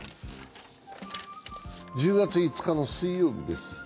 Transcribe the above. １０月５日の水曜日です。